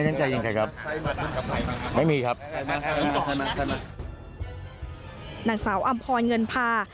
นางสาวอำพรเงินพา